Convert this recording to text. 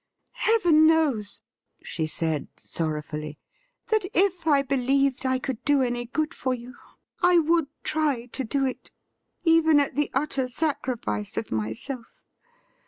' Heaven knows,' she said sorrowfully, ' that if I believed I could do any good for you I would try to do it, even at the utter sacrifice of myself.